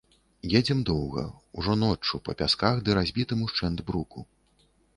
Едзем доўга, ужо ноччу, па пясках ды разбітым ушчэнт бруку.